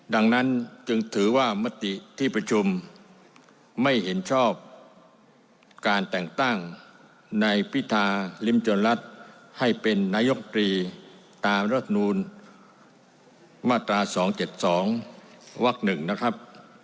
ดังนั้นจึงถือว่ามติที่ประชุมไม่เห็นชอบการแต่งตั้งในพิธาริมจนรัฐให้เป็นนายกตรีตามรัฐมนูลมาตรา๒๗๒วัก๑นะครับ